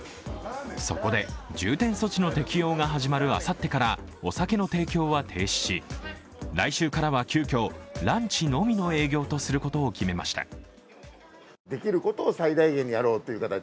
そこで、重点措置の適用が始まるあさってからお酒の提供は停止し、来週からは急きょランチのみの営業とすることを決めました。